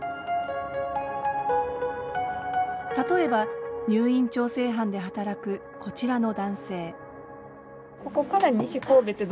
例えば入院調整班で働くこちらの男性。